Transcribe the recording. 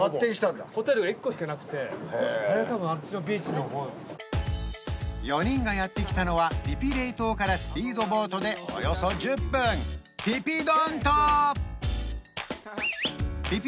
ほぼホテルが１個しかなくてあれ多分あっちのビーチの方４人がやって来たのはピピ・レイ島からスピードボートでおよそ１０分ピピ・ドン島ピピ